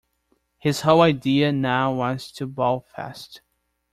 His whole idea now was to bowl fast.